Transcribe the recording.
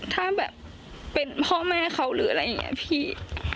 ถ้าแบบเป็นพ่อแม่เขาหรืออะไรอย่างนี้พี่